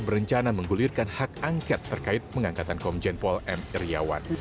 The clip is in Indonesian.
berencana menggulirkan hak angket terkait pengangkatan komjen pol m iryawan